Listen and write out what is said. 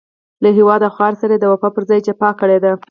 له هېواد او خاورې سره يې د وفا پر ځای جفا کړې ده.